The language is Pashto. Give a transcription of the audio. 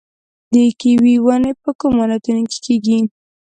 د کیوي ونې په کومو ولایتونو کې کیږي؟